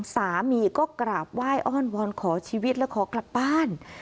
สามีก็กราบไหว้อ้อนวอนขอชีวิตและขอกลับบ้าน